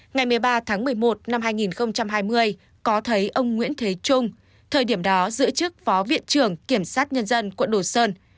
ngày một mươi ba tháng một mươi một năm hai nghìn hai mươi có thấy ông nguyễn thế trung thời điểm đó giữ chức phó viện trưởng kiểm sát nhân dân quận đồ sơn